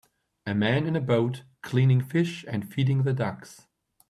A man in a boat cleaning fish and feeding the ducks.